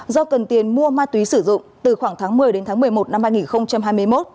do cần tiền mua ma túy sử dụng từ khoảng tháng một mươi đến tháng một mươi một năm hai nghìn hai mươi một